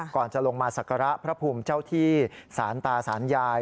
ก่อนจะลงมาสักการะพระภูมิเจ้าที่สารตาสารยาย